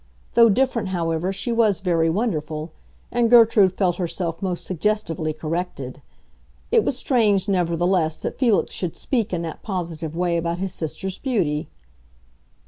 Though different, however, she was very wonderful, and Gertrude felt herself most suggestively corrected. It was strange, nevertheless, that Felix should speak in that positive way about his sister's beauty.